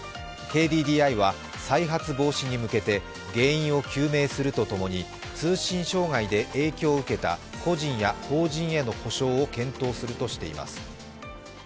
ＫＤＤＩは再発防止に向けて原因を究明するとともに通信障害で影響を受けた個人や法人への補償を検討しているといいます。